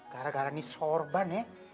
gara gara ini sorban ya